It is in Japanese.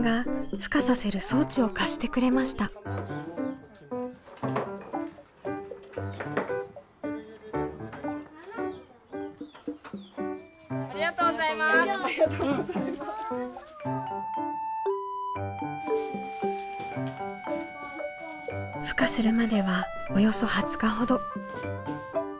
ふ化するまではおよそ２０日ほど。